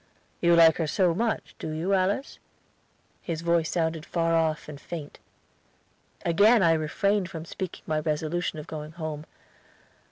"You like her so much, do you, Alice?" His voice sounded far off and faint. Again I refrained from speaking my resolution of going home.